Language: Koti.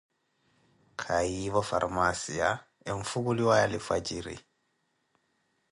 kayiivo farmaacia enifukuliwaaye lifwajiri.